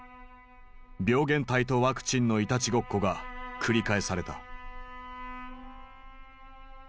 病原体とワクチンのいたちごっこが繰り返された。